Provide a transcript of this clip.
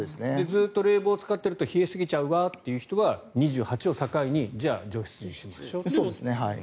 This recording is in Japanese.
ずっと冷房を使っていると冷えすぎちゃうわという人は２８を境にじゃあ除湿にしましょうと。